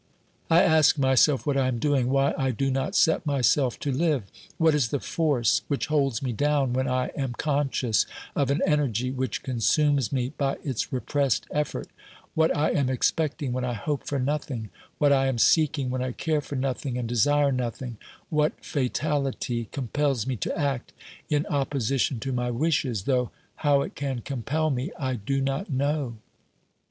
I ask myself what I am doing ; why I do not set myself to live ; what is the force which holds me down when I am conscious of an energy which consumes me by its repressed effort; what I am expecting when I hope for nothing ; what I am seeking when I care for nothing and desire nothing ; what fatality compels me to act in opposi tion to my wishes, though how it can compel me I do not know.